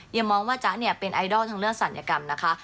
อย่ามองว่าจ้าเนี่ยเป็นไอดอลทั้งเรื่องศัลยกรรมนะคะ